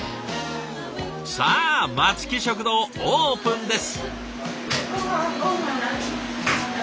さあ松木食堂オープンです！